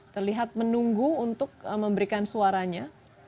terlihat menunggu untuk memberikan suaranya